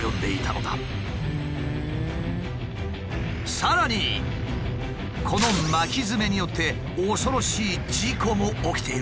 さらにこの巻きヅメによって恐ろしい事故も起きているという。